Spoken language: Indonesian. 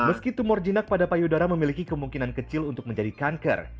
meski tumor jinak pada payudara memiliki kemungkinan kecil untuk menjadi kanker